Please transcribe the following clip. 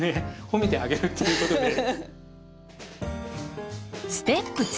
褒めてあげるっていうことで。